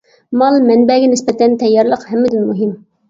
مال مەنبەگە نىسبەتەن تەييارلىق ھەممىدىن مۇھىم.